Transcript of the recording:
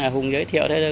hùng giới thiệu thế thôi